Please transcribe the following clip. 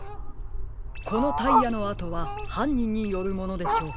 このタイヤのあとははんにんによるものでしょう。